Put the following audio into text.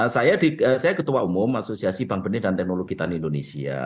saya ketua umum asosiasi bank benih dan teknologi tani indonesia